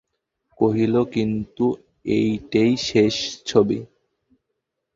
কহিল, কিন্তু এইটেই শেষ ছবি।